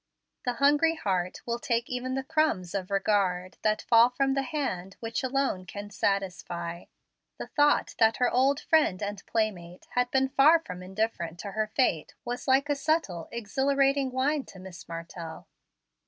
The hungry heart will take even the crumbs of regard that fall from the hand which alone can satisfy. The thought that her old friend and playmate had been far from indifferent to her fate was like a subtile, exhilarating wine to Miss Martell.